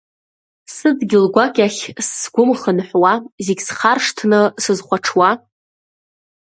Сыдгьыл гәакьахь сгәы мхынҳәуа, зегь схаршҭны сызхәаҽуа?